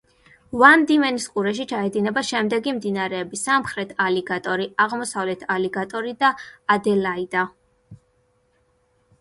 ვან-დიმენის ყურეში ჩაედინება შემდეგი მდინარეები: სამხრეთ ალიგატორი, აღმოსავლეთ ალიგატორი და ადელაიდა.